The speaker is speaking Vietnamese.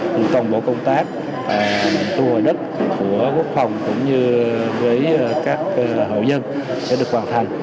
từ toàn bộ công tác thu hồi đất của bộ quốc phòng cũng như các hậu dân sẽ được hoàn thành